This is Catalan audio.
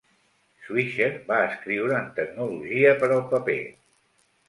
Swisher va escriure en tecnologia per al paper.